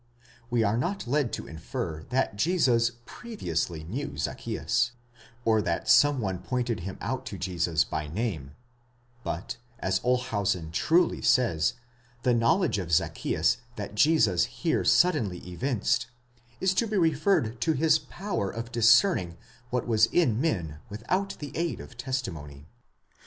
We are not led to infer that Jesus previously knew Zacchzeus, or that some one pointed him out to Jesus by name ;'8 but, as Olshausen truly says, the knowledge of Zacchzeus that Jesus here suddenly evinced, is to be referred to his power of discerning what was in men without the aid of testimony.